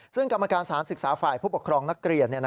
ซึ่งกรรมการสารศึกษาฝ่ายผู้ปกครองนักเรียน